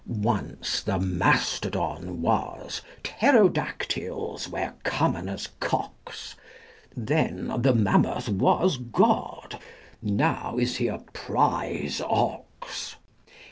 Once the mastodon was: pterodactyls were common as cocks: Then the mammoth was God: now is He a prize ox.